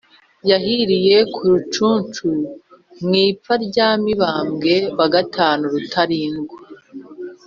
yahiriye ku rucuncu, mu ipfa rya mibambwe iv rutarindwa.